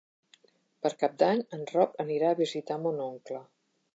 Per Cap d'Any en Roc anirà a visitar mon oncle.